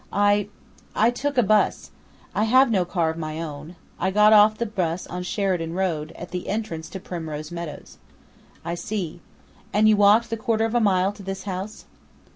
"I I took a bus. I have no car of my own. I got off the bus on Sheridan Road, at the entrance to Primrose Meadows." "I see. And you walked the quarter of a mile to this house?"